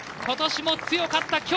ことしも強かった！